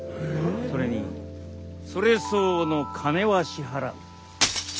それにそれ相応の金は支払う。